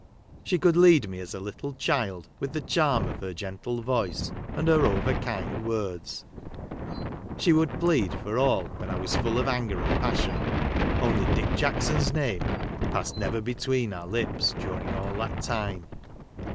She could load me as a little child, Avith the charm of her gentle voice, and her ever kind Avords. She would plead for all when I was full of anger and passion ; only Dick Jackson's name passed never between our lips during all that time.